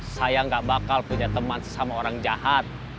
saya nggak bakal punya teman sama orang jahat